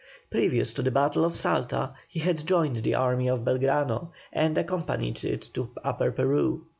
Previous to the battle of Salta he had joined the army of Belgrano, and accompanied it to Upper Peru.